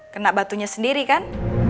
kena batunya sendiri kan